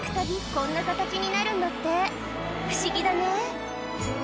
こんな形になるんだって不思議だね